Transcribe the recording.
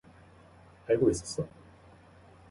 알고 있었어?